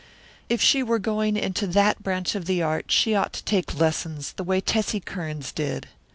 If she were going into that branch of the art she ought to take lessons, the way Tessie Kearns did.